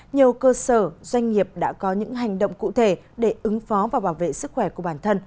nhiều cơ sở doanh nghiệp đã có những hành động cụ thể để ứng phó và bảo vệ sức khỏe của bản thân